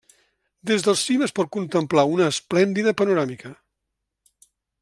Des del cim es pot contemplar una esplèndida panoràmica.